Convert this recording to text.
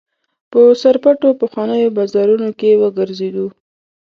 په سرپټو پخوانیو بازارونو کې وګرځېدو.